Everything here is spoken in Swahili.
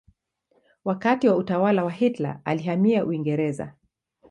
Wakati wa utawala wa Hitler alihamia Uingereza.